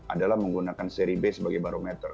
adalah menggunakan seri b sebagai barometer